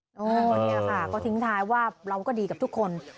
นี่ค่ะก็ทิ้งท้ายว่าเราก็ดีกับทุกคน